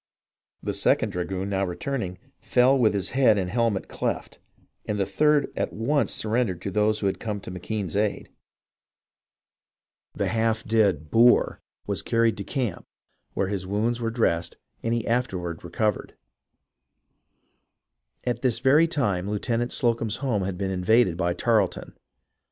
The second dragoon now returning, fell with his head and helmet cleft, and the third at once surrendered to those who had come to McKenne's aid. The half dead " boor " was carried to 350 HISTORY OF THE AMERICAN REVOLUTION camp, where his wounds were dressed, and he afterward recovered. At this very time Lieutenant Slocumb's home had been invaded by Tarleton.